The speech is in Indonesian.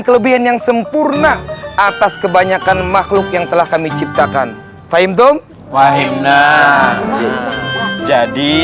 kelebihan yang sempurna atas kebanyakan makhluk yang telah kami ciptakan faim dong wahim jadi